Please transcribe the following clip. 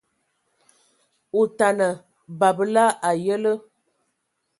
Otana, babǝla a ayǝlə.